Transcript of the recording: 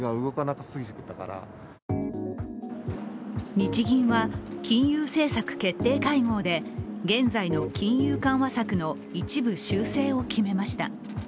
日銀は金融政策決定会合で現在の金融緩和策の一部修正を決めました。